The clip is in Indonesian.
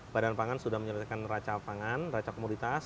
badan pangan sudah menyelesaikan raca pangan raca komoditas